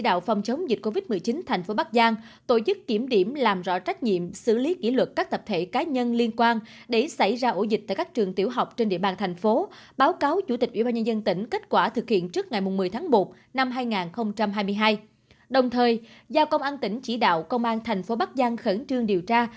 đồng thời giao công an tỉnh chỉ đạo công an tp bắc giang khẩn trương điều tra